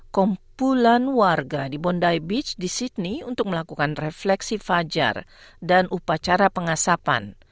kumpulan warga di bondai beach di sydney untuk melakukan refleksi fajar dan upacara pengasapan